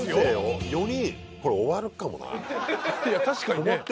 確かにね。